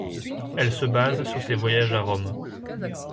Elles se basent sur ses voyages à Rome.